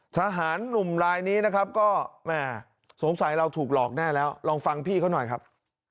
ทหารหนุ่มลายนี้นะครับก็แม่สงสัยเราถูกหลอกแน่แล้วลองฟังพี่เขาหน่อยครับ